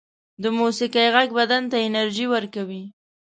د موسيقۍ غږ بدن ته انرژی ورکوي